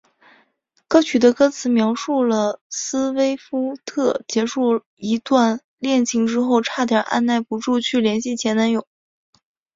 歌曲的歌词描述了斯威夫特结束一段恋情之后差点按捺不住去联系前男友。